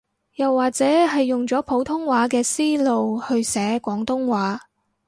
又或者係用咗普通話嘅思路去寫廣東話